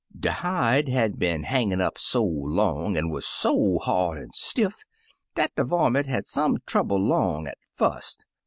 "De hide had been hangin* up so long, an* wuz so hard an* stiff, dat de varaiint had some trouble *long at fust.